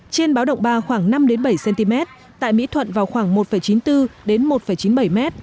trên báo động ba khoảng năm đến bảy cm tại mỹ thuận vào khoảng một chín mươi bốn đến một chín mươi bảy mét